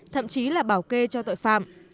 thậm chí là bảo kê cho tội phạm